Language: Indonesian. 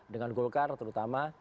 dengan golkar terutama